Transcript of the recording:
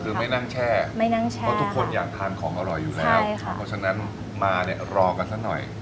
คือไม่นั่งแช่ค่ะเพราะทุกคนอยากทานของอร่อยอยู่แล้วคุณซักนั้นมารอกันซักหน่อย